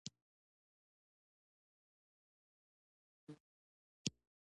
موږ باید د اقتصادي ډیپلوماسي پلي کوونکي وپېژنو